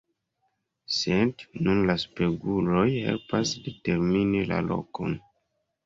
Sed nun la speguloj helpas determini la lokon.